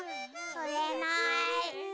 つれない。